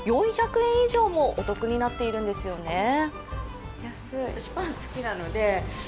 ４００円以上もお得になっているんですよね。